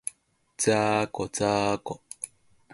ざーこ、ざーこ